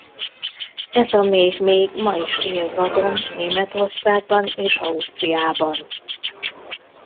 Ez a méh még ma is él vadon Németországban és Ausztriában.